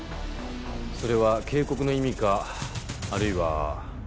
それは警告の意味かあるいは。